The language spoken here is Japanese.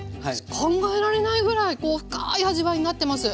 考えられないぐらいこう深い味わいになってます。